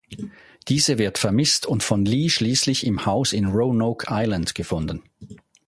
Diese wird vermisst und von Lee schließlich im Haus in Roanoke Island gefunden.